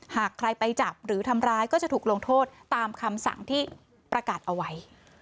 หากใครไปจับหรือทำร้ายก็จะถูกลงโทษตามคำสั่งที่ประกาศเอาไว้